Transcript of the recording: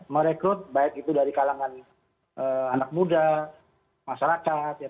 merekrut baik itu dari kalangan anak muda masyarakat